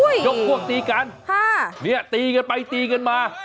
โย่งพวกตีกันตีไปตีมา